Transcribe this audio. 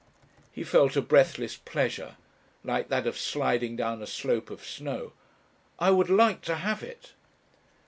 He felt a breathless pleasure, like that of sliding down a slope of snow. "I would like to have it."